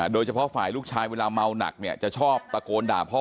โดยเฉพาะฝ่ายลูกชายเวลาเมาหนักจะชอบตะโกนด่าพ่อ